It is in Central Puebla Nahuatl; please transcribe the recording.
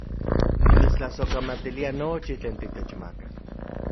Nimitstlasojkamatilia nochi tlen titechmaka